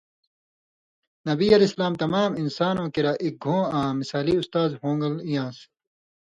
نبی علیہ السلام تمام انساَنوں کِراں اک گَھوں آں مثالی اُستاذ ہُونٚگل اِیلانٚس۔